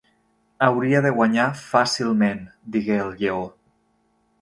"Hauria de guanyar fàcilment", digué el Lleó.